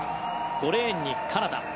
５レーンにカナダ。